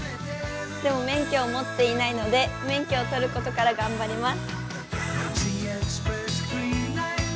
でも、免許を持っていないので、免許を取ることから頑張ります。